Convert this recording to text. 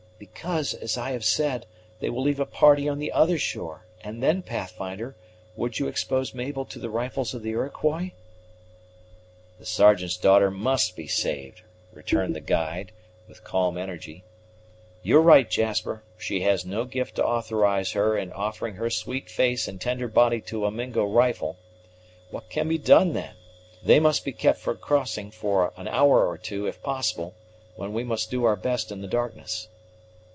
"Because, as I have said, they will leave a party on the other shore; and then, Pathfinder, would you expose Mabel, to the rifles of the Iroquois?" "The Sergeant's daughter must be saved," returned the guide, with calm energy. "You are right, Jasper; she has no gift to authorize her in offering her sweet face and tender body to a Mingo rifle. What can be done, then? They must be kept from crossing for an hour or two, if possible, when we must do our best in the darkness."